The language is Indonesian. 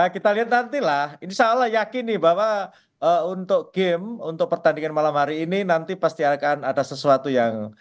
kita lihat nantilah insya allah yakini bahwa untuk game untuk pertandingan malam hari ini nanti pasti akan ada sesuatu yang